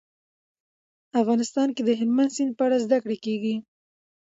افغانستان کې د هلمند سیند په اړه زده کړه کېږي.